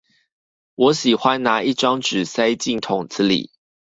我喜歡拿一張紙塞進桶子裡